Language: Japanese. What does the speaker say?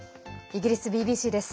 イギリスＢＢＣです。